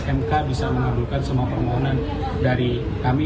dan mk bisa mengabulkan semua permohonan dari kami